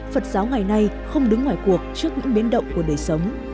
phật giáo ngày nay không đứng ngoài cuộc trước những biến động của đời sống